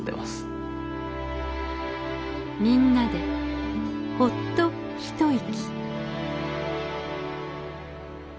みんなでホッと一息。